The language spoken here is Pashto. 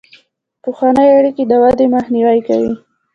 پخوانۍ اړیکې د ودې مخنیوی کوي.